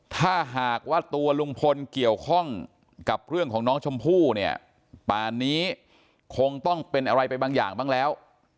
ถ้าหากว่าตัวลุงพลเกี่ยวข้องกับเรื่องของน้องชมพู่เนี่ยป่านนี้คงต้องเป็นอะไรไปบางอย่างบ้างแล้ว